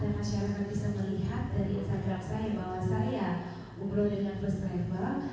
dan masyarakat bisa melihat dari instagram saya bahwa saya hubung dengan first striper